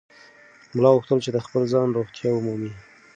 ملا غوښتل چې د خپل ځان رښتیا ومومي.